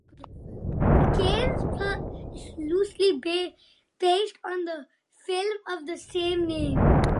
The game's plot is loosely based on the film of the same name.